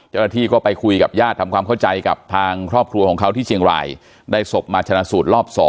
เจ้าหน้าที่ก็ไปคุยกับญาติทำความเข้าใจกับทางครอบครัวของเขาที่เชียงรายได้ศพมาชนะสูตรรอบ๒